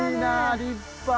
立派！